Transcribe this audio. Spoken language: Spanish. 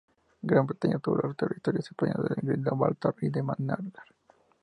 Gran Bretaña obtuvo los territorios españoles de Gibraltar y de Menorca.